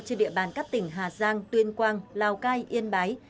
trên địa bàn các tỉnh hà giang tuyên quang lào cai yên bái